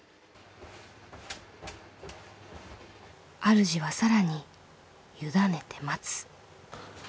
あるじは更に委ねて待つ。